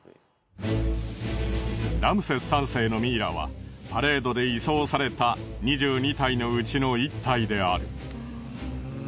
ラムセス３世のミイラはパレードで移送された２２体のうちの１体である。